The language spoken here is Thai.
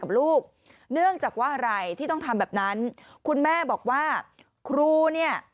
กับลูกเนื่องจากว่าอะไรที่ต้องทำแบบนั้นคุณแม่บอกว่าครูเนี่ย